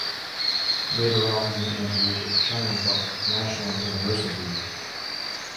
Later on, he entered Chungbuk National University.